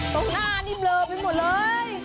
ตรงหน้านี่เบลอไปหมดเลย